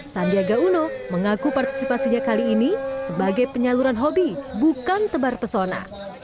sandiaga uno mengaku partisipasinya kali ini sebagai penyaluran hobi bukan tebar pesona